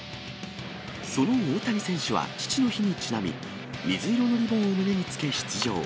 その大谷選手は父の日にちなみ、水色のリボンを胸につけ出場。